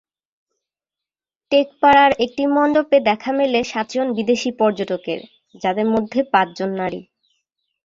টেকপাড়ার একটি মণ্ডপে দেখা মেলে সাতজন বিদেশি পর্যটকের, যাঁদের মধ্যে পাঁচজন নারী।